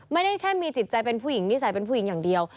ไม่ได้แค่มีจิตใจเป็นผู้หญิงนิสัยเป็นผู้หญิงอย่างเดียว